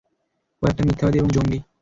ও একটা মিথ্যাবাদী এবং জঙ্গী।